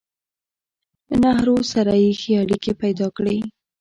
نهرو سره يې ښې اړيکې پېدا کړې